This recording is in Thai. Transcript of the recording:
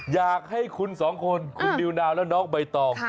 อยากให้คุณสองคนคุณนิวนาวและน้องใบตอง